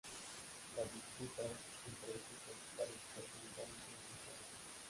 Las disputas entre estos príncipes perjudicaron seriamente a Francia.